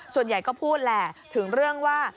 ส่วนใหญ่ก็พูดแหละถึงเรื่องว่า